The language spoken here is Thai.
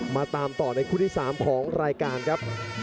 มาตามต่อในคู่ที่๓ของรายการครับ